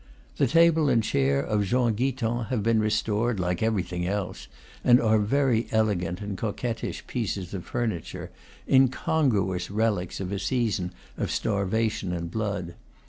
The table and chair of Jean Guiton have been restored, Iike everything else, and are very elegant and coquettish pieces of furniture, incongruous relics of a season of starvation and blood.